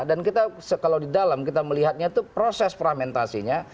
dan kita kalau di dalam kita melihatnya itu proses fragmentasinya